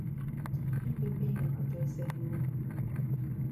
Һин белмәйһең ата-әсә һөйөүен.